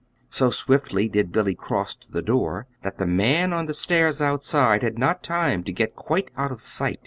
So swiftly did Billy cross to the door that the man on the stairs outside had not time to get quite out of sight.